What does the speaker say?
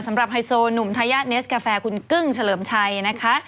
ไฮโซหนุ่มทายาทเนสกาแฟคุณกึ้งเฉลิมชัยนะคะ